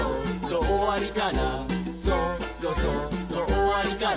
「そろそろおわりかな」